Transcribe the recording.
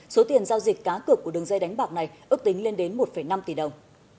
số tiền giao dịch cá cược của đường dây đánh bạc này ước tính lên đến một năm tỷ đồng